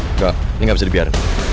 enggak ini gak bisa dibiar